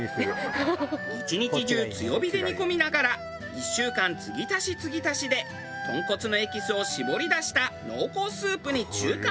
一日中強火で煮込みながら１週間継ぎ足し継ぎ足しで豚骨のエキスを絞り出した濃厚スープに中華麺をダイブ。